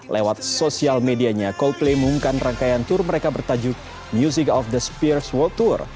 lewat sosial medianya coldplay mengumumkan rangkaian tour mereka bertajuk music of the spearch world tour